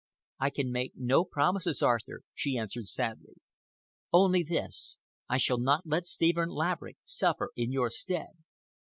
"I can make no promises, Arthur," she answered sadly, "only this—I shall not let Stephen Laverick suffer in your stead."